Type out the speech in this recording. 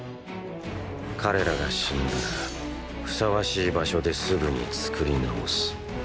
彼らが死んだらふさわしい場所ですぐに作り直す。